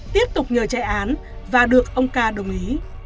tiếp tục nhờ chạy án và được ông ca đồng ý